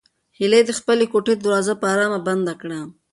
هیلې د خپلې کوټې دروازه په ارامه بنده کړه.